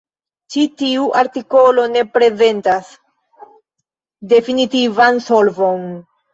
Ĉi tiu artikolo ne prezentas definitivan solvon.